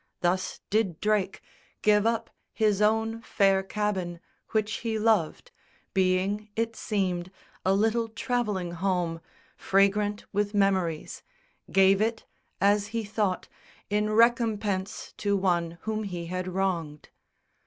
Thus did Drake Give up his own fair cabin which he loved; Being, it seemed, a little travelling home, Fragrant with memories, gave it, as he thought, In recompense to one whom he had wronged.